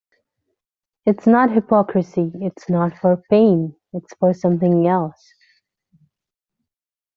It's not for Hypocrisy, it's not for Pain, it's for something else.